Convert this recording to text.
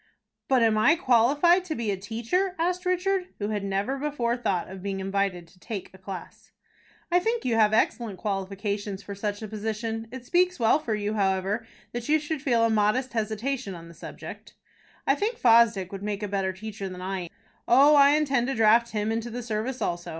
"But am I qualified to be a teacher?" asked Richard, who had never before thought of being invited to take a class. "I think you have excellent qualifications for such a position. It speaks well for you, however, that you should feel a modest hesitation on the subject." "I think Fosdick would make a better teacher than I." "Oh, I intend to draft him into the service also.